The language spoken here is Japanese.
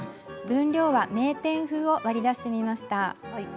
分量は名店風を割り出してみました。